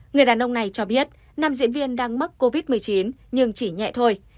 người đàn ông này cho biết nam diễn viên đang mắc covid một mươi chín nhưng chỉ nhẹ thôi